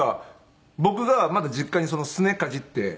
僕がまだ実家にすねをかじって。